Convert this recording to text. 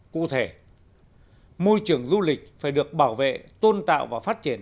cụ thể môi trường du lịch phải được bảo vệ tôn tạo và phát triển